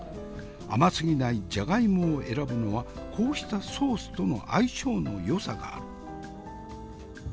甘すぎないジャガイモを選ぶのはこうしたソースとの相性のよさがある。